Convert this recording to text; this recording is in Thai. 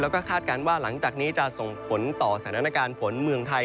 แล้วก็คาดการณ์ว่าหลังจากนี้จะส่งผลต่อสถานการณ์ฝนเมืองไทย